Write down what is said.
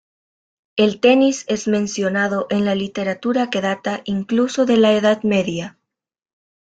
El tenis es mencionado en la literatura que data incluso de la Edad Media.